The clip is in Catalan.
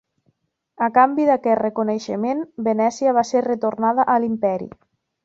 A canvi d'aquest reconeixement, Venècia va ser retornada a l'Imperi.